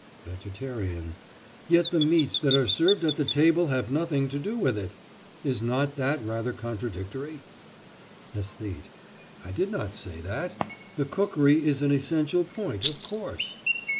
VEGETARIAN: Yet the meats that are served at the table have nothing to do with it! Is not that rather contradictory? ÆSTHETE: I did not say that. The cookery is an essential point, of course.